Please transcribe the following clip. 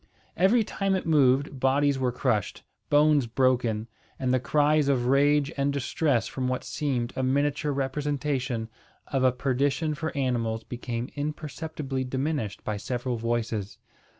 Every time it moved, bodies were crushed, bones broken, and the cries of rage and distress from what seemed a miniature representation of a perdition for animals became imperceptibly diminished by several voices.